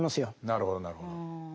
なるほどなるほど。